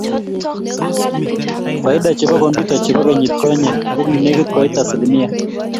Faida chebo kompyuta chebo kenyit konye ko kii nekit koit asilimia